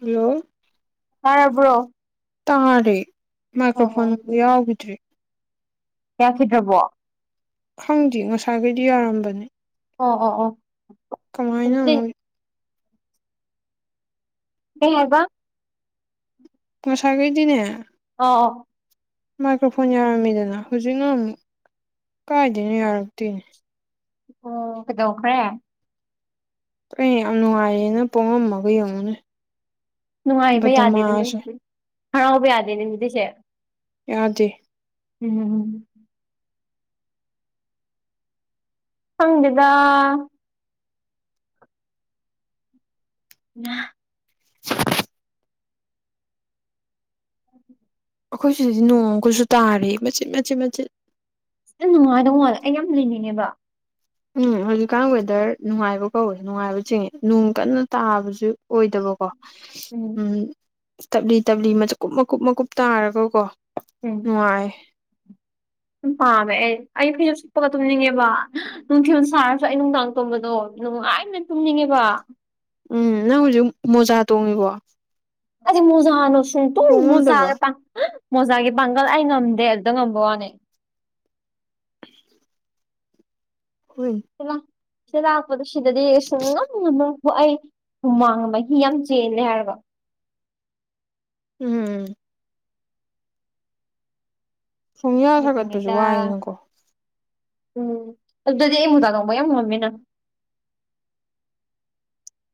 hello ꯇꯥꯔꯕ꯭ꯔꯣ ꯇꯥꯔꯦ ꯑꯣ ꯃꯥꯏꯀ꯭ꯔꯣꯐꯣꯟ ꯑꯣ ꯌꯥꯎꯈꯤꯗꯔꯦ ꯌꯥꯈꯤꯗ꯭ꯔꯕꯣ ꯈꯪꯗꯦ ꯉꯁꯥꯏꯒꯩꯗꯤ ꯌꯥꯔꯝꯕꯅꯦ ꯑꯣ ꯑꯣ ꯑꯣ ꯀꯃꯥꯏꯅ ꯑꯗꯨꯗꯤ ꯑꯃꯨꯛ ꯀꯩ ꯍꯥꯏꯕ ꯉꯁꯥꯢꯒꯩꯗꯤꯅꯦ ꯑ ꯥꯑꯣ ꯃꯥꯏꯀ꯭ꯔꯣꯐꯣꯟ ꯌꯥꯔꯝꯃꯤꯗꯅ ꯍꯧꯖꯤꯛꯅ ꯑꯃꯨꯛ ꯀꯥꯏꯗꯩꯅꯣ ꯌꯥꯔꯛꯇꯦꯌꯦ ꯑꯣ ꯀꯩꯗꯧꯈ꯭ꯔꯦ ꯑꯩ ꯌꯥꯝ ꯅꯨꯡꯉꯥꯏꯌꯦꯅ ꯄꯣꯡꯉꯝꯃꯒ ꯌꯦꯡꯉꯨꯅꯦ ꯅꯨꯡꯉꯥꯏꯕ ꯕꯗꯃꯥꯁꯦ ꯌꯥꯗꯦꯗꯅꯦꯗꯤ ꯍꯔꯥꯎꯕ ꯌꯥꯗꯦꯅꯦ ꯑꯗꯨꯗꯤꯁꯦ ꯌꯥꯗꯦ ꯎꯝ ꯈꯪꯗꯦꯗ ꯅꯥ ꯑꯩꯈꯣꯏ ꯁꯤꯗꯗꯤ ꯅꯣꯡ ꯑꯝꯀꯁꯨ ꯇꯥꯔꯤꯌꯦ ꯃꯆꯤꯠ ꯃꯆꯤꯠ ꯃꯆꯤꯠ ꯌꯥꯝ ꯅꯨꯡꯉꯥꯏꯗꯧꯃꯟꯂꯦ ꯑꯩ ꯌꯥꯝ ꯂꯩꯅꯤꯡꯉꯦꯕ ꯎꯝ ꯍꯧꯖꯤꯛꯀꯥꯟ ꯋꯦꯗꯔ ꯅꯨꯡꯉꯥꯏꯕ ꯀꯧꯋꯦ ꯅꯨꯡꯉꯥꯏꯕ ꯆꯤꯡꯉꯦ ꯅꯨꯡ ꯀꯟꯅ ꯇꯥꯕꯁꯨ ꯑꯣꯏꯗꯕꯀꯣ ꯎꯝ ꯇꯞꯂꯤ ꯇꯞꯂꯤ ꯃꯆꯀꯨꯞ ꯃꯀꯨꯞ ꯃꯀꯨꯞ ꯇꯥꯔꯒꯀꯣ ꯎꯝ ꯅꯨꯡꯉꯥꯏ ꯄꯥꯝꯃꯦ ꯑꯩ ꯐꯩꯖꯨꯞ ꯁꯨꯞꯄꯒ ꯇꯨꯝꯅꯤꯡꯉꯦꯕ ꯅꯨꯡꯊꯤꯜ ꯁꯥꯔꯁꯨ ꯑꯩ ꯅꯨꯡꯗꯥꯡ ꯇꯨꯝꯕꯗꯣ ꯅꯨꯡꯉꯥꯏꯅ ꯇꯨꯝꯅꯤꯡꯉꯦꯕ ꯎꯝ ꯅꯪ ꯍꯧꯖꯤꯛ ꯃꯣꯖꯥ ꯇꯣꯡꯉꯤꯕꯣ ꯑꯗ ꯃꯣꯖꯥꯅꯣ ꯁꯨꯡ ꯇꯨꯡ ꯇꯣꯡ ꯉꯝꯗꯕ꯭ꯔꯣ ꯃꯣꯖꯥꯒꯇ ꯃꯣꯖꯥꯒꯤ ꯄꯥꯡꯒꯜ ꯑꯩ ꯉꯝꯗꯦ ꯑꯗꯨꯗ ꯉꯝꯕ ꯋꯥꯅꯤ [unintelligible] ꯍꯣꯏ ꯁꯤꯂꯥ ꯁꯥꯗꯂꯥꯛꯄꯗ ꯁꯤꯗꯗꯤ ꯁꯨꯡꯉꯝ ꯉꯝꯃꯔꯣꯢ ꯃꯨ ꯑꯩ ꯍꯨꯃꯥꯡꯅ ꯃꯍꯤ ꯌꯥꯝ ꯆꯦꯜꯂꯦ ꯍꯥꯏꯕ ꯎꯝ ꯈꯣꯡꯌꯥ ꯁꯥꯒꯠꯄꯁꯨ ꯗꯨꯒꯤꯅꯦꯗ ꯋꯥꯏꯌꯦꯅꯀꯣ ꯎꯝ ꯑꯗꯨꯗꯗꯤ ꯑꯩ ꯃꯣꯖꯥ ꯇꯣꯡꯕ ꯌꯥꯝ ꯉꯝꯃꯦꯅ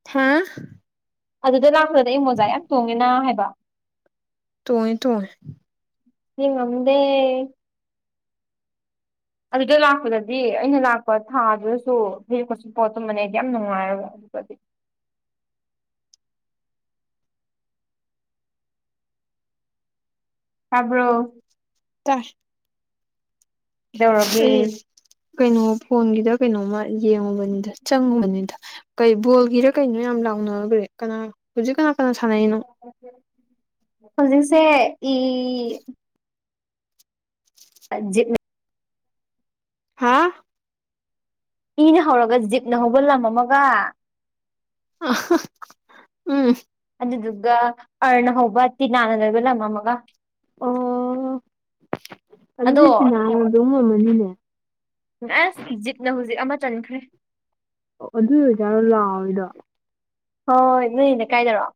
ꯊꯥ ꯑꯗꯨꯗ ꯂꯥꯛꯄꯗꯗꯤ ꯑꯩ ꯃꯣꯖꯥ ꯌꯥꯝ ꯇꯣꯡꯉꯦꯅ ꯍꯥꯏꯕ ꯇꯣꯡꯉꯤ ꯇꯣꯡꯉꯦ ꯁꯤꯉꯝꯗꯦ ꯑꯗꯨꯗ ꯂꯥꯛꯄꯗꯗꯤ ꯑꯩꯅ ꯂꯥꯛꯄ ꯊꯥꯗꯨꯗꯁꯨ ꯐꯩꯖꯨꯞꯀ ꯁꯨꯞꯄꯒ ꯇꯨꯝꯕꯅꯦ ꯑꯩꯗꯤ ꯌꯥꯝ ꯅꯨꯡꯉꯥꯏꯌꯦꯕ ꯑꯗꯨꯄꯗꯤ ꯇꯥꯕ꯭ꯔꯣ ꯇꯥꯏ ꯀꯩꯗꯧꯔꯒꯦ ꯑꯩ ꯀꯩꯅꯣ ꯐꯣꯟꯒꯤꯗ ꯀꯩꯅꯣꯝꯃ ꯌꯦꯡꯉꯨꯕꯅꯤꯗ ꯆꯪꯉꯨꯕꯅꯤꯗ ꯀꯩ ꯕꯣꯜꯒꯤꯔ ꯀꯩꯅꯣ ꯌꯥꯝ ꯂꯥꯎꯅꯒ꯭ꯔꯦ ꯀꯅꯥ ꯍꯧꯖꯤꯛ ꯀꯅꯥ ꯀꯅꯥ ꯁꯥꯟꯅꯩꯅꯣ ꯍꯧꯖꯤꯛꯁꯦ ꯏꯢꯢ [unintelligible] ꯍꯥꯥ ꯏꯅ ꯍꯧꯔꯒ ꯖꯤꯞꯅ ꯍꯧꯕ ꯂꯝ ꯑꯃꯒ ꯑ [unintelligible] ꯎꯝ ꯑꯗꯨꯗꯨꯒ ꯑꯔꯅ ꯍꯧꯕ ꯇꯤꯅꯥꯅ ꯂꯣꯏꯕ ꯂꯝ ꯑꯃꯒ ꯑꯣ ꯑꯗꯨꯗꯤ ꯑꯗꯣ ꯇꯤꯅꯥꯗꯨꯝ ꯉꯝꯃꯅꯤꯅꯦ ꯑꯁ ꯖꯤꯞꯅ ꯍꯧꯖꯤꯛ ꯑꯃ ꯆꯟꯈ꯭ꯔꯦ ꯑꯣ ꯑꯗꯨꯏ ꯑꯣꯏꯖꯥꯔꯣ ꯂꯥꯎꯔꯤꯗꯣ ꯍꯣꯏ ꯅꯣꯏꯅꯦ ꯀꯥꯏꯗꯔꯣ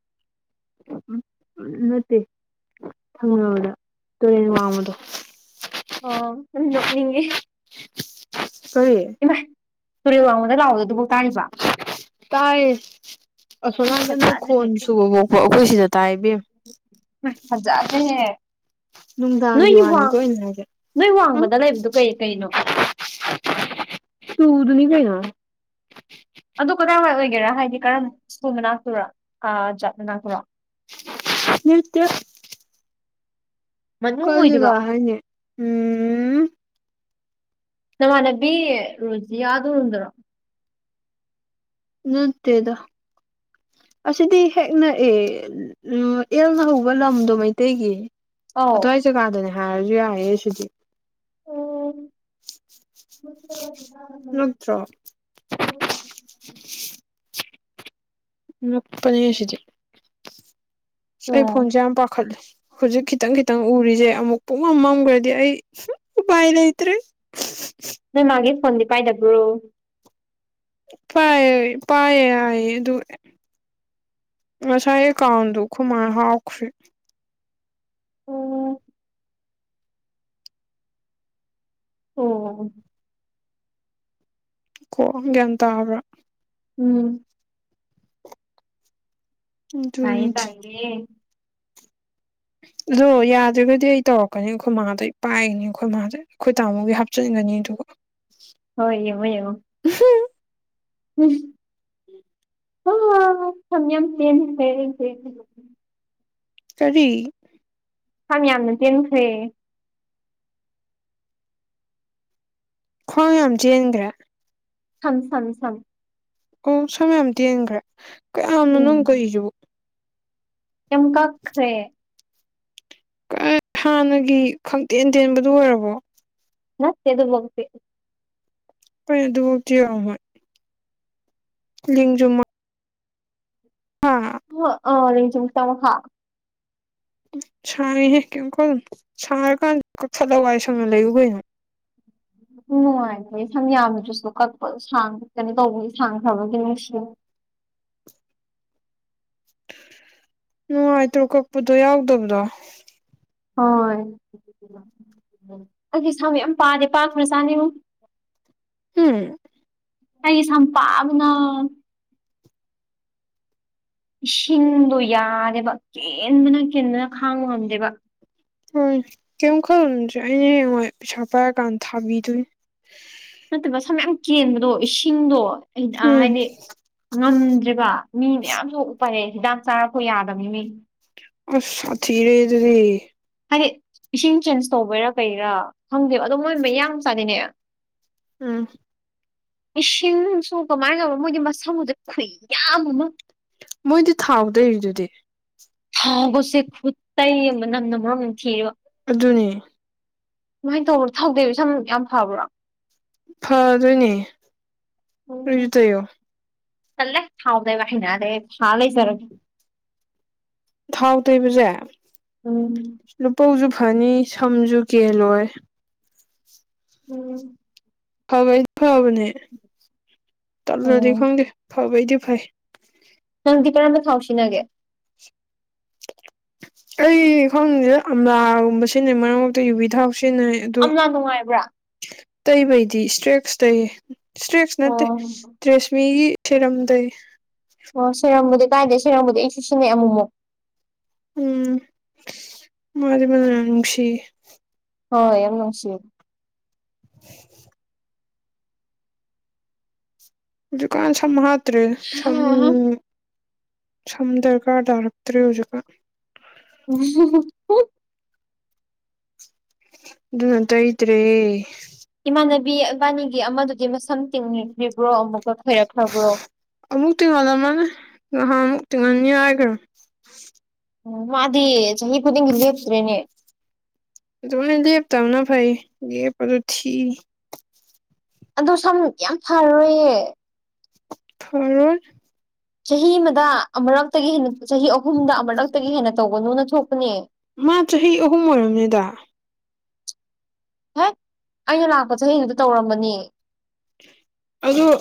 ꯎꯝ ꯅꯠꯇꯦ ꯊꯪꯅꯕꯗ ꯇꯨꯔꯦꯟ ꯋꯥꯡꯃꯗꯣ ꯑꯣꯅꯤꯡꯒꯤ ꯇꯔꯤ ꯇꯨꯔꯦꯜ ꯋꯥꯡꯃꯗ ꯂꯥꯛꯑꯣꯗꯣ ꯑꯗꯨꯐꯥꯎ ꯇꯥꯔꯤꯕ ꯇꯥꯏꯌꯦ ꯑꯁꯣꯅꯥꯕꯅ ꯐꯖꯗ꯭ꯔꯦꯍꯦ ꯈꯣꯟ ꯁꯨꯕ ꯄꯣꯛꯄ ꯑꯩꯈꯣꯏ ꯁꯤꯗ ꯇꯥꯏꯕ ꯍꯖꯥꯗ ꯅꯨꯡꯗꯥꯡꯒꯤ ꯅꯣꯏꯒꯤ ꯋꯥꯅꯤꯀꯣ ꯑꯩꯅ ꯍꯥꯏꯁꯦ ꯅꯣꯏ ꯋꯥꯡꯃꯗ ꯂꯩꯕꯗꯨ ꯀꯩ ꯀꯩꯅꯣ ꯇꯨ ꯑꯗꯨꯅꯤ ꯀꯩ ꯑꯗꯨ ꯀꯗꯥꯏꯋꯥꯏ ꯑꯣꯏꯒꯦꯔꯥ ꯍꯥꯏꯗꯤ ꯀꯔꯝ ꯁ꯭ꯀꯨꯜꯅꯅꯥꯥꯛꯇꯣꯏꯔꯣ ꯖꯥꯕꯅꯅꯥꯥꯛꯇꯔꯣ ꯌꯇ ꯃꯅꯨꯡ ꯀꯜꯖꯒ ꯑꯣꯏꯗꯣꯏꯔꯣ ꯍꯥꯏꯅꯦ ꯎꯝ ꯅꯃꯥꯟꯅꯕꯤ ꯔꯣꯖꯤꯌꯥꯗꯨꯗ꯭ꯔꯣ ꯅꯠꯇꯦꯗꯣ ꯑꯁꯤꯗꯤ ꯍꯦꯛ ꯅꯛꯑ ꯌꯦꯜꯅ ꯍꯧꯕ ꯂꯝꯗꯣ ꯃꯩꯇꯩꯒꯤ ꯑꯧ ꯑꯗꯨ꯭ꯋꯥꯏ ꯖꯒꯥꯗꯅꯦ ꯍꯥꯏꯔꯁꯨ ꯌꯥꯏꯑꯌꯦꯦ ꯁꯤꯗꯤ ꯅꯠꯇ꯭ꯔ [unintelligible] [unintelligible] ꯉꯛꯄꯅꯦ ꯑꯁꯤꯗꯤ ꯑꯁ ꯑꯩ ꯑꯣ ꯐꯣꯟꯁꯦ ꯌꯥꯝ ꯄꯥꯈꯠꯂꯦ ꯍꯧꯖꯤꯛ ꯈꯤꯇꯪ ꯈꯤꯇꯪ ꯎꯔꯤꯁꯦ ꯑꯃꯨꯛ ꯄꯣꯛ ꯉꯝꯃꯝꯈ꯭ꯔꯗꯤ ꯑꯩ ꯎꯄꯥꯏ ꯂꯩꯇ꯭ꯔꯦ ꯎ ꯎ ꯅꯣꯏ ꯃꯥꯒꯤ ꯐꯣꯟꯗꯤ ꯄꯥꯏꯗꯕ꯭ꯔꯣ ꯄꯑꯦ ꯄꯌꯦꯦꯑ ꯑꯗꯨ ꯑꯗꯨ ꯉꯁꯥꯏꯌꯦ ꯀꯥꯎꯟꯗꯨ ꯈꯨꯃꯅ ꯍꯥꯎꯁꯦ ꯑꯣ ꯑꯣ ꯀꯣꯒꯟ ꯇ ꯍꯥꯏꯕ꯭ꯔꯥ ꯎꯝ ꯉꯥꯏ ꯑꯗꯨꯅꯤ ꯇꯥꯏꯦ ꯑꯗꯣ ꯌꯥꯗ꯭ꯔꯒꯗꯤ ꯑꯩ ꯇꯧꯔꯛꯀꯅꯤ ꯑꯩꯈꯣꯏ ꯃꯥꯥꯗꯩ ꯑꯩ ꯄꯥꯏꯒꯅꯤ ꯑꯩꯈꯣꯏ ꯃꯥꯥꯗꯩ ꯑꯩꯈꯣꯏ ꯇꯥꯃꯣꯒꯤ ꯍꯥꯞꯆꯤꯟꯒꯅꯤ ꯑꯗꯨꯒ ꯎ ꯍꯣꯏ ꯌꯦꯉ ꯌꯦ ꯍꯝ ꯎ ꯊꯝ ꯁꯔꯤ ꯁꯝ ꯌꯥꯝꯅ ꯆꯦꯟꯈ꯭ꯔꯦ ꯈ꯭ꯋꯥꯡ ꯌꯥꯝ ꯆꯦꯟꯈ꯭ꯔꯦ ꯊ ꯁꯝ ꯁꯝ ꯑꯣ ꯁꯝ ꯃꯌꯥꯝ ꯇꯦꯟꯈ꯭ꯔꯦ ꯀꯌꯥꯝꯅꯣꯅꯣ ꯎꯝ ꯀꯧꯏꯁꯤꯕꯨ ꯌꯥꯝ ꯀꯥꯈꯔꯦ ꯍꯥꯟꯅꯒꯤ ꯈꯪꯇꯦꯟ ꯇꯦꯟꯕꯗꯨ ꯑꯣꯏꯔꯕꯣ ꯅꯦ ꯑꯗꯨ ꯍꯣꯦ ꯐꯩ ꯑꯗꯨꯐꯥꯎꯤꯔꯝꯃꯣꯏ ꯂꯖꯨꯃ ꯍ ꯑꯦꯟꯖ ꯇ ꯍꯥ ꯁꯥꯡꯉꯍꯦ ꯀꯀꯣ ꯁꯥꯡꯔꯀꯥꯟ ꯀꯈꯠꯂꯋꯥꯏ ꯁꯅ ꯂꯩꯌꯕ ꯅꯨꯡꯉꯥꯏꯕꯣꯏ ꯁꯝ ꯌꯥꯝꯃꯤꯗꯨꯁꯨ ꯀꯛꯄ ꯁꯥꯡꯛꯀꯅ ꯇꯧꯕꯒꯤ ꯁꯥꯡꯈ꯭ꯔꯕꯒꯤ ꯅꯨꯡꯁꯨ ꯅꯨꯡꯉꯥꯏꯇ꯭ꯔꯣ ꯀꯛꯄꯗꯣ ꯌꯥꯎꯗꯕꯗꯣ ꯍꯣꯏ ꯑꯩꯗꯤ ꯁꯥꯃꯛ ꯌꯥꯝ ꯄꯥꯗꯦ ꯄꯥꯈ꯭ꯔ ꯆꯥꯅꯤꯉꯨ ꯍꯝ ꯑꯩ ꯁꯝꯄꯥꯕꯅ ꯏꯁꯤꯡꯗꯣ ꯌꯥꯔꯦꯕ ꯀꯦꯟꯕꯅ ꯀꯦꯟꯕꯅ ꯈꯥꯡꯕ ꯉꯝꯗꯦꯕ ꯍꯣꯏ ꯀꯩꯝ ꯈꯜꯂꯨꯅꯨꯁꯦ ꯑꯩꯅ ꯍꯌꯦꯡꯌꯥꯏ ꯄꯩꯁꯥ ꯄꯥꯏꯔꯀꯥꯟꯗ ꯊꯥꯕꯤꯗꯣꯏꯅꯤ ꯅꯠꯇꯕ ꯁꯝ ꯌꯥꯝ ꯀꯦꯟꯕꯗꯣ ꯏꯁꯤꯡꯗꯣ ꯎꯝ ꯍꯥꯏꯗꯤ ꯉꯝꯗ꯭ꯔꯤꯕ ꯃꯤ ꯃꯌꯥꯝꯁꯨ ꯎꯞꯥꯏ ꯍꯤꯗꯥꯛ ꯆꯥꯔꯛꯄ ꯌꯥꯗꯕꯅꯤ ꯃꯤ ꯑ ꯁꯥ ꯊꯤꯌꯦ ꯑꯗꯨꯗꯤ ꯍꯥꯏꯗꯤ ꯏꯁꯤꯡ ꯆꯦꯟꯖ ꯇꯧꯕꯩꯔꯥ ꯀꯩꯔꯥ ꯈꯪꯗꯦꯕ ꯑꯗꯣ ꯃꯣꯏ ꯃ ꯌꯥꯝ ꯆꯥꯗꯅꯦ ꯎꯝ ꯏꯁꯤꯡ ꯅꯨꯡꯁꯨ ꯀꯃꯥꯏꯅ ꯇꯧꯕ ꯃꯣꯏꯒꯤ ꯃꯁꯝꯒꯗꯤ ꯈꯨꯌꯥꯝ ꯑꯃ ꯃꯣꯏꯗꯤ ꯊꯥꯎꯗꯩꯔꯤꯗꯨꯗꯤ ꯊꯥꯎꯒꯁꯦ ꯈꯨꯠꯇꯩ ꯑꯃ ꯃꯅꯝꯅ ꯃꯔꯣꯜ ꯅꯃ ꯅꯝꯊꯤꯔꯤꯕ ꯑꯗꯨꯅꯤ ꯁꯨꯃꯥꯏꯅ ꯇꯧꯕ ꯊꯥꯎ ꯇꯩꯕꯁꯤ ꯁꯝ ꯌꯥꯝ ꯐꯕ꯭ꯔꯥ ꯐꯇꯣꯏꯅꯦ ꯎꯝ ꯑꯗꯨꯅ ꯇꯩꯌꯣ ꯇꯜꯂꯦ ꯊꯥꯎ ꯇꯩꯕ ꯍꯩꯅꯗꯦ ꯑꯩ ꯊꯥꯔꯒ ꯂꯩꯖꯔꯒꯦ ꯊꯥꯎ ꯇꯩꯕꯁꯦ ꯎꯝ ꯂꯨꯄꯧꯁꯨ ꯐꯅꯤ ꯁꯝꯁꯨ ꯀꯦꯜꯂꯣꯏ ꯎꯝ ꯐꯕꯗꯤ ꯐꯕꯅꯦ ꯇꯠꯂꯗꯤ ꯑꯣ ꯈꯪꯗꯦ ꯐꯕꯩꯗꯤ ꯐꯩ ꯅꯪꯗꯤ ꯀꯔꯝꯕ ꯊꯥꯎ ꯁꯤꯟꯅꯒꯦ ꯑꯩ ꯈꯪꯗꯦꯗ ꯑꯝꯂꯥꯒꯨꯝꯕ ꯁꯤꯖꯤꯟꯅꯩ ꯃꯔꯛ ꯃꯔꯛꯇ ꯌꯨꯕꯤ ꯊꯥꯎ ꯁꯤꯖꯤꯟꯅꯩ ꯑꯗꯣ ꯑꯝꯂꯥ ꯅꯨꯡꯉꯥꯏꯕ꯭ꯔꯥ ꯇꯩꯕꯩꯗꯤ ꯏꯁꯇ꯭ꯔꯦꯛꯁ ꯇꯩꯌꯦ ꯏꯁꯇ꯭ꯔꯦꯛꯁ ꯅꯠꯇꯦ ꯑꯣ ꯇꯔꯦꯁꯃꯤꯒꯤ ꯊꯔ꯭ꯦꯀꯝ ꯇꯩꯌꯦ ꯑꯣ ꯁꯦꯔꯝꯕꯨꯗꯤ ꯀꯥꯏꯗꯦ ꯁꯦꯔꯝꯕꯨꯗꯤ ꯑꯩꯁꯨ ꯁꯤꯖꯟꯅꯩꯑꯦ ꯑꯃꯨꯛꯃꯨꯛ ꯎꯝ ꯃꯥꯗꯤ ꯃꯅꯝ ꯌꯥꯝ ꯅꯨꯡꯁꯤꯌꯦ ꯍꯣꯏ ꯌꯥꯝ ꯅꯨꯡꯁꯤꯌꯦ [unintelligible] ꯍꯧꯖꯤꯛꯀꯥꯟ ꯁꯝ ꯍꯥꯠꯇ꯭ꯔꯦꯗ ꯁꯝꯕꯨ ꯁꯝ ꯗꯔꯀꯥꯔ ꯇꯥꯔꯛꯇ꯭ꯔꯦ ꯍꯧꯖꯤꯛꯀꯥꯟ ꯎ ꯑꯗꯨꯅ ꯇꯩꯇ꯭ꯔꯦ ꯏꯃꯥꯟꯅꯕꯤ ꯏꯕꯥꯅꯤꯒꯤ ꯑꯃꯗꯨꯗꯤ ꯃꯁꯝ ꯇꯤꯡꯅꯤꯡꯈ꯭ꯔꯤꯕ꯭ꯔꯣ ꯑꯃꯨꯛꯀ ꯈꯣꯏꯔꯛꯈ꯭ꯔꯕ꯭ꯔꯣ ꯑꯃꯨꯛ ꯇꯤꯡꯍꯜꯂꯝꯃꯅꯤ ꯉꯍꯥꯛ ꯑꯃꯨꯛ ꯇꯤꯡꯍꯟꯅꯤ ꯍꯥꯏꯈ꯭ꯔꯕꯅꯦ ꯎ ꯃꯥꯗꯤ ꯆꯍꯤ ꯈꯨꯗꯤꯡꯒꯤ ꯂꯦꯞꯇ꯭ꯔꯦꯅꯦ ꯑꯗꯨꯃꯥꯏꯅ ꯂꯦꯞꯇꯕꯅ ꯐꯩ ꯂꯦꯞꯄꯗꯨ ꯊꯤ ꯑꯗꯣ ꯁꯝ ꯌꯥꯝ ꯐꯔꯣꯏꯌꯦ ꯐꯔꯣꯏ ꯆꯍꯤ ꯑꯃꯗ ꯑꯃꯨꯔꯛꯇꯒꯤ ꯍꯦꯟꯅ ꯆꯍꯤ ꯑꯍꯨꯝꯗ ꯑꯃꯨꯔꯛꯇꯒꯤ ꯍꯦꯟꯅ ꯇꯧꯕꯅꯨꯅ ꯊꯣꯛꯄꯅꯦ ꯃꯥ ꯆꯍꯤ ꯑꯍꯨꯝ ꯑꯣꯏꯔꯝꯅꯤꯗ ꯍ ꯑꯩꯅ ꯂꯥꯛꯄ ꯆꯍꯤꯗꯨꯗ ꯇꯧꯔꯝꯕꯅꯤ ꯑꯗꯨꯗꯣ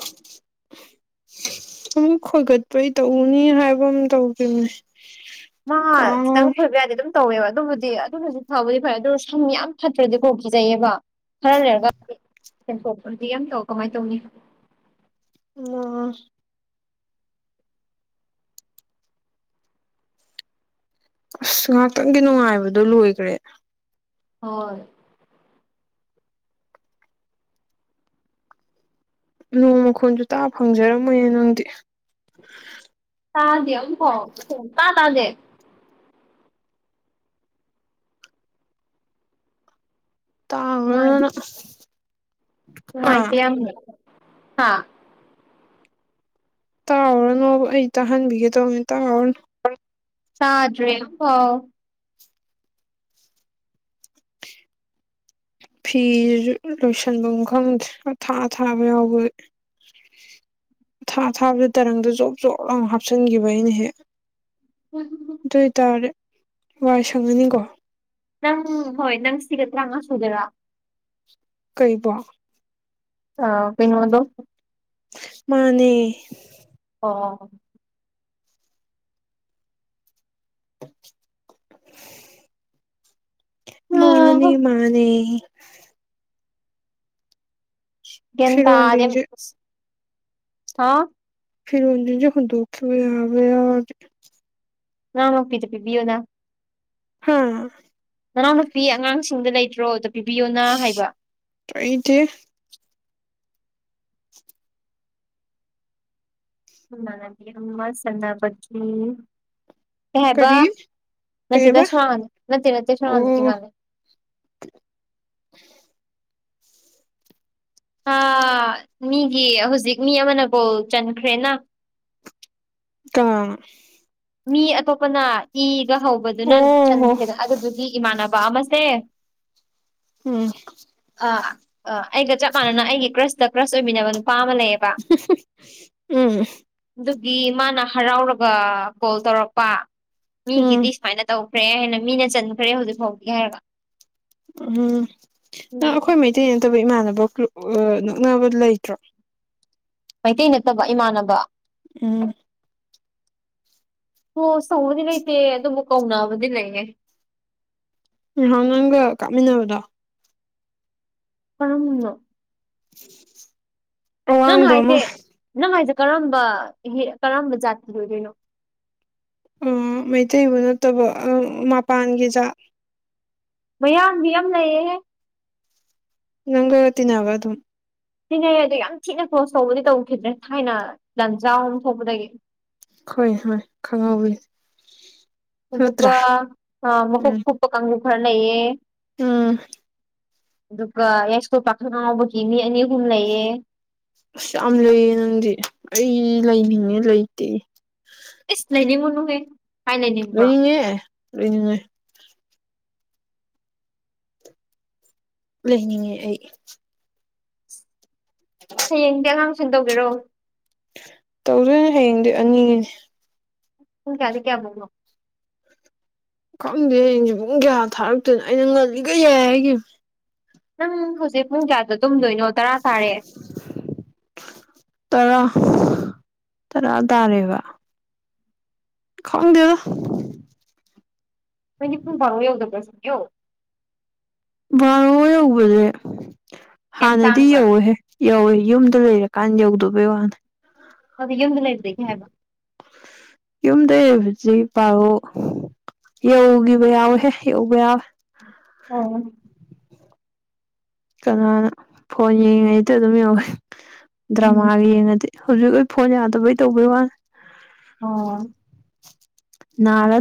ꯑꯃꯨꯛ ꯈꯣꯏꯒꯠꯄꯩ ꯇꯧꯅꯤ ꯍꯥꯏꯕ ꯑꯃ ꯇꯧꯈꯤꯕꯅꯦ ꯃꯥ ꯀꯥꯎ ꯈꯤꯇꯪ ꯈꯣꯏꯕ ꯌꯥꯗꯦ ꯑꯗꯨꯝ ꯇꯧꯋꯦꯕ ꯑꯗꯨꯕꯨꯗꯤ ꯑꯗꯨꯅꯁꯨ ꯐꯕꯗꯤ ꯐꯔꯦ ꯑꯗꯨ ꯁꯝ ꯌꯥꯝ ꯐꯠꯇ꯭ꯔꯗꯤꯀꯣ ꯀꯤꯖꯩꯑꯕ ꯈꯔ ꯂꯩꯔꯒ ꯁꯦꯡꯊꯣꯛꯄꯗꯤ ꯌꯥꯝ ꯇꯧ ꯀꯃꯥꯏꯅ ꯇꯧꯅꯤ ꯎꯝ ꯑꯁ ꯉꯥꯏꯍꯥꯛꯇꯪꯒꯤ ꯅꯨꯡꯉꯥꯏꯕꯗꯨꯣ ꯂꯣꯏꯈ꯭ꯔꯦ ꯍꯣꯏ ꯅꯣꯡ ꯃꯈꯣꯟꯁꯨ ꯇꯥ ꯐꯪꯖꯔꯝꯃꯣꯏꯌꯦ ꯅꯪꯗꯤ ꯇꯥꯗ ꯑꯃꯨ ꯀꯣ ꯇꯥ ꯇꯥꯗꯦ ꯍꯣꯏ ꯇꯥꯎꯔꯅ ꯍꯥ ꯃꯥꯇ ꯌꯥꯝ ꯍꯥ ꯇꯥꯎꯎꯔꯅꯨ ꯑꯩ ꯇꯥꯍꯟꯕꯤꯒꯦ ꯇꯧꯕꯅꯦ ꯇꯥꯎꯎꯔꯅꯨ ꯇꯥꯗ꯭ꯔꯦ ꯍꯥꯎ ꯐꯤ ꯂꯣꯏꯁꯤꯟꯕ ꯃꯈꯪ ꯊꯥ ꯊꯥꯕ ꯌꯥꯎꯕ ꯊꯥ ꯊꯥꯕꯗ ꯇꯔꯪꯗ ꯖꯣꯞ ꯖꯣꯞꯂ ꯍꯥꯞꯆꯤꯟꯈꯤꯕ ꯑꯩꯅ ꯍꯦꯛ ꯎꯝ ꯑꯗꯨ ꯑꯣꯏꯇꯥꯔꯦ ꯋꯥꯏ ꯁꯪꯉꯅꯤꯀꯣ ꯅꯪ ꯍꯣꯏ ꯅꯪ ꯁꯤꯒ ꯇꯔꯥꯃꯉꯥ ꯁꯨꯗꯔꯥ ꯀꯔꯤꯕꯣ ꯑꯩꯅꯣꯗꯣ ꯃꯥꯅꯦ ꯑꯣ ꯃꯥꯅꯦ ꯃꯥꯅꯦ ꯇ ꯑꯗꯦ ꯑ ꯐꯤꯔꯣꯟꯁꯤꯡꯁꯦ ꯐꯔ ꯍ ꯗꯨꯈ ꯑꯣꯏꯅꯌꯥꯝꯕ ꯉ ꯉꯄꯤꯤꯗ ꯄꯤꯕꯤꯌꯣꯗ ꯍꯥꯥ ꯅꯅꯥꯎꯅꯨꯄꯤ ꯑꯉꯥꯡꯁꯤꯡꯗ ꯂꯩꯇ꯭ꯔꯣꯗ ꯄꯤꯕꯤꯌꯣꯅ ꯍꯥꯏꯕ ꯑꯩ ꯏꯗꯤꯦ ꯎ ꯅꯪꯒꯤ ꯑꯃ ꯆꯅꯥꯕꯠꯂꯤ ꯍ ꯍꯦꯕ ꯀꯔꯤ ꯅꯠꯇꯗ ꯀꯩꯕ ꯁꯅꯥꯗ ꯅꯠꯇ ꯅꯠꯇ ꯁꯅꯗ ꯑꯣ ꯏꯃꯅꯦ ꯃꯤꯒꯤ ꯍꯧꯖꯤꯛ ꯃꯤ ꯑꯃꯅꯀꯣꯜ ꯆꯟꯈ꯭ꯔꯦꯅ ꯀ ꯃꯤ ꯑꯇꯣꯞꯄꯅ ꯏꯒ ꯍꯧꯕꯗꯨꯅ ꯑꯣ ꯍꯣ ꯆꯟꯈ꯭ꯔꯦꯗ ꯑꯗꯨꯗꯨꯒꯤ ꯏꯃꯥꯟꯅꯕ ꯑꯃꯁꯦ ꯎꯝ ꯑꯥ ꯑꯥ ꯑꯩꯒ ꯆꯞ ꯃꯥꯟꯅꯅ ꯑꯩꯒꯤ ꯀ꯭ꯔꯁꯇ ꯀ꯭ꯔꯁ ꯑꯣꯏꯃꯤꯟꯅꯕ ꯅꯨꯄꯥ ꯑꯃ ꯂꯩꯌꯦꯕ ꯎ ꯑꯗꯨꯒꯤ ꯃꯥꯅ ꯍꯔꯥꯎꯔꯒ ꯀꯣꯜ ꯇꯧꯔꯛꯄ ꯎꯝ ꯃꯤꯒꯤꯗꯤ ꯁꯨꯃꯥꯏꯅ ꯇꯧꯈ꯭ꯔꯦ ꯍꯥꯏꯅ ꯃꯤꯅ ꯆꯟꯈ꯭ꯔꯦ ꯍꯧꯖꯤꯛ ꯐꯥꯎꯗꯤ ꯍꯥꯏꯔꯒ ꯎꯝ ꯅꯪ ꯑꯩꯈꯣꯏ ꯃꯩꯇꯩ ꯅꯠꯇꯕ ꯏꯃꯥꯟꯅꯕ ꯅꯛꯅꯕ ꯂꯩꯇ꯭ꯔꯣ ꯃꯩꯇꯩ ꯅꯠꯇꯕ ꯏꯃꯥꯟꯅꯕ ꯎꯝ ꯑꯣ ꯁꯧꯕꯗꯤ ꯂꯩꯇꯦ ꯑꯗꯨꯕꯨ ꯀꯧꯅꯕꯗꯤ ꯂꯩꯅꯦ ꯎ ꯍ ꯅꯪꯒ ꯀꯞꯃꯤꯟꯅꯕꯗꯣ ꯐꯔꯝꯅꯣ ꯍ ꯅꯪ ꯍꯥꯏꯁꯦ ꯅꯪ ꯍꯥꯏꯁꯦ ꯀꯔꯝꯕ ꯀꯔꯝꯕ ꯖꯥꯇꯤꯗ ꯑꯣꯏꯗꯣꯏꯅꯣ ꯑ ꯃꯩꯇꯩꯕꯨ ꯅꯠꯇꯕ ꯃꯄꯥꯟꯒꯤꯖꯥꯠ ꯃꯌꯥꯝꯕꯤ ꯑꯃ ꯂꯩꯌꯦꯦꯍꯦ ꯅꯪ ꯑꯠꯇꯤꯟꯋꯥ ꯑꯗꯨ ꯊꯤꯅꯩꯌꯦ ꯑꯗꯣ ꯌꯥꯝ ꯊꯤꯅ ꯀ꯭ꯂ꯭ꯔꯣꯁ ꯇꯧꯕꯗꯤ ꯇꯧꯈꯤꯗ꯭ꯔꯦ ꯊꯥꯏꯅ ꯂꯥꯟꯖꯥꯎ ꯑ ꯑꯃ ꯊꯣꯛꯄꯗꯒꯤ ꯍꯣꯏ ꯍꯣꯏ ꯈꯪꯍꯧꯋ ꯑꯗꯨ ꯃꯈꯀ ꯀꯨꯞꯄ ꯀꯥꯡꯖ ꯈꯔ ꯅꯌꯦ ꯑꯥ ꯑꯗꯨꯒ ꯌꯥꯏꯁꯀꯣꯜ ꯄꯥꯈꯪ ꯑ ꯉꯥꯎꯕꯒꯤ ꯃꯤ ꯑꯅꯤ ꯑꯍꯨꯝ ꯂꯩꯌꯦ ꯑꯁ ꯌꯥꯝ ꯂꯩꯌꯦ ꯅꯪꯗꯤ ꯑꯩ ꯂꯩꯅꯤꯡꯉꯦ ꯂꯩꯇꯦ ꯏꯁꯂꯅꯤ ꯃꯨꯅꯨꯍꯦ ꯂꯣꯏꯅꯤꯡꯉꯦ ꯂꯣꯏꯅꯤꯡꯉꯦ ꯂꯩꯍꯟꯅꯤꯡꯉꯦ ꯑꯩ ꯍꯌꯦꯡꯗꯤ ꯑꯉꯥꯡ ꯇꯨꯁꯟ ꯇꯧꯕꯤꯔꯣ ꯇꯧꯗꯣꯏꯅꯦ ꯍꯌꯦꯡꯗꯤ ꯑꯅꯤꯅꯤ ꯄꯨꯡ ꯀꯌꯥꯗꯩ ꯀꯌꯥꯕꯧꯅꯣ ꯈꯪꯗꯦ ꯍꯌꯦꯡꯖꯦ ꯄꯨꯡ ꯀꯌꯥ ꯊꯥꯔꯛꯇꯣꯏꯅꯣ ꯑꯩꯅ ꯉꯜꯂꯤꯒꯩ ꯌꯥꯏ ꯍꯥꯏꯒꯤꯝ ꯅꯪ ꯍꯧꯖꯤꯛ ꯄꯨꯡ ꯀꯌꯥꯗ ꯇꯨꯝꯗꯣꯏꯅꯣ ꯇꯔꯥ ꯇꯥꯔꯦ ꯇꯔꯥ ꯇꯔꯥ ꯇꯥꯔꯦꯕ ꯈꯪꯗꯦꯗ ꯅꯣꯏꯗꯤ ꯄꯨꯡ ꯚꯔꯣ ꯌꯧꯗꯕꯔ ꯁꯨꯛꯌꯧ ꯚꯔꯣ ꯌꯧꯕꯖꯦ ꯌꯥꯝ ꯍꯥꯟꯅꯗꯤ ꯇꯥꯡꯕ꯭ꯔꯥ ꯌꯧꯋꯦꯍꯦ ꯌꯧꯋꯦ ꯌꯨꯝꯗ ꯂꯩꯔꯀꯥꯟ ꯌꯧꯗꯕꯩ ꯋꯥꯅꯤ ꯑꯗꯨ ꯌꯨꯝ ꯂꯩꯕꯗꯒꯤ ꯍꯥꯏꯕ ꯌꯨꯝꯗ ꯂꯩꯕꯖꯤ ꯚꯔꯣ ꯌꯧꯒꯤꯕ ꯌꯥꯎꯋꯦꯍꯦ ꯌꯧꯕ ꯌꯥꯎꯋꯦ ꯑꯣꯎꯝ ꯀꯅꯥꯅ ꯐꯣꯟ ꯌꯦꯡꯉꯤꯉꯩꯗ ꯑꯗꯨꯝ ꯌꯧꯋꯦ ꯎꯝ ꯗ꯭ꯔꯃꯥꯒ ꯌꯦꯡꯉꯗꯤ ꯍꯧꯖꯤꯛ ꯑꯩ ꯐꯣꯟ ꯌꯥꯗꯕꯩ ꯇꯧꯕꯩ ꯋꯥꯅꯦ ꯑꯣ ꯅꯥꯔ